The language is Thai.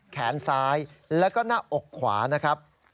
แขนซ้ายแล้วก็หน้าอกขวานะครับ